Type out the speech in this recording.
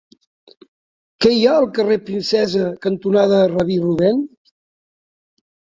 Què hi ha al carrer Princesa cantonada Rabí Rubèn?